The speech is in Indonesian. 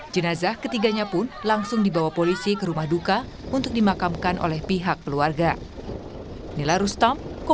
jenazah ketiganya pun langsung dibawa polisi ke rumah duka untuk dimakamkan oleh pihak keluarga